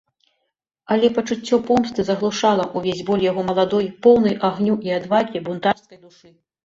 Але пачуццё помсты заглушала ўвесь боль яго маладой, поўнай агню і адвагі, бунтарскай душы.